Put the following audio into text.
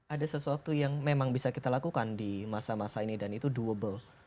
ada sesuatu yang memang bisa kita lakukan di masa masa ini dan itu doable